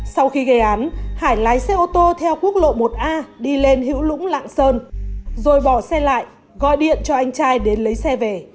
sau khi gây án hải lái xe ô tô theo quốc lộ một a đi lên hữu lũng lạng sơn rồi bỏ xe lại gọi điện cho anh trai đến lấy xe về